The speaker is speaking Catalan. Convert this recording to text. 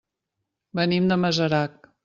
Venim de Masarac.